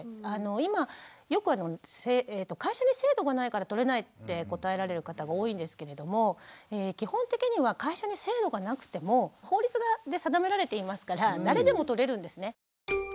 今よく会社に制度がないからとれないって答えられる方が多いんですけれども基本的には会社に制度がなくても法律で定められていますから誰でもとれるんですね。